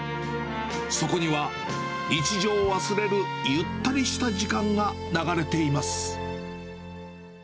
そこには、日常を忘れるゆったりした時間が流れています。